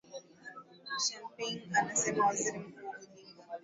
shamping amesema waziri mkuu odinga